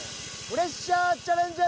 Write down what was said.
プレッシャーチャレンジ！